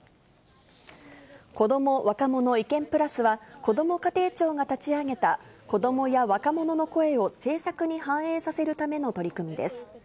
こども若者いけんぷらすは、こども家庭庁が立ち上げた、こどもや若者の声を政策に反映させるための取り組みです。